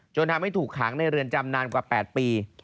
จนทำให้ถูกขังในเรือนจำนานกว่า๘ปี